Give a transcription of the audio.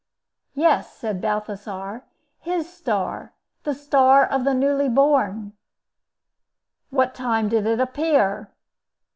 "Yes," said Balthasar, "his star, the star of the newly born." "What time did it appear?"